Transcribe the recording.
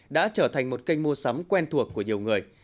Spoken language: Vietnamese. đã trở thành một kênh mua sắm quen thuộc của nhiều người